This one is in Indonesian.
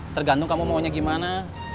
tergantung kamu maunya gimana